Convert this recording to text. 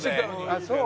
ああそう？